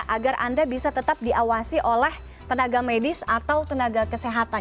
agar anda bisa tetap diawasi oleh tenaga medis atau tenaga kesehatan